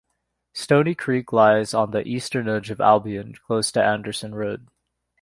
Stony Creek lies on the eastern edge of Albion, close to Anderson Road.